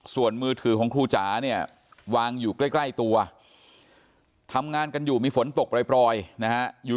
ส่วนมือถือของครูจ๋าเนี่ยวางอยู่ใกล้ตัวทำงานกันอยู่มีฝนตกปล่อยนะฮะอยู่